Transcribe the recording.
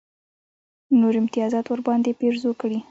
نور امتیازات ورباندې پېرزو کړي.